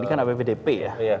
ini kan apbdp ya